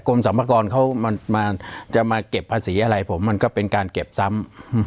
สรรพากรเขาจะมาเก็บภาษีอะไรผมมันก็เป็นการเก็บซ้ำ